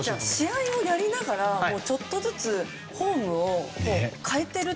試合しながらちょっとずつフォームを変えてると。